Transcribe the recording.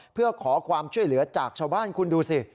เพื่อขอความช่วยเหลือจากชาวบ้านคุณดูสิ